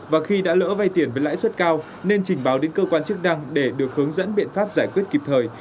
và khi đã lỡ vay tiền với lãi suất cao nên trình báo đến cơ quan chức năng để được hướng dẫn biện pháp giải quyết kịp thời